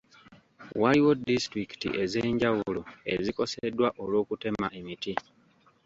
Waliwo disitulikiti ez'enjawulo ezikoseddwa olw'okutema emiti.